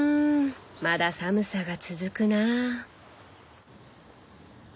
まだ寒さが続くなあ。